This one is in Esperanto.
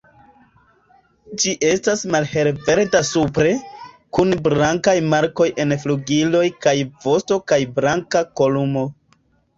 Ĝi estas malhelverda supre, kun blankaj markoj en flugiloj kaj vosto kaj blanka kolumo.